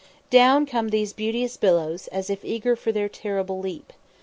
Down come those beauteous billows, as if eager for their terrible leap.